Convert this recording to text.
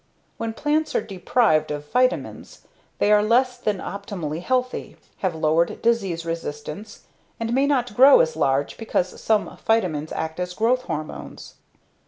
When plants are deprived of phytamins they are less than optimally healthy, have lowered disease resistance, and may not grow as large because some phytamins act as growth hormones.